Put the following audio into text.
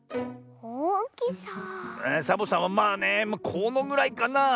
サボさんはまあねこのぐらいかなあ。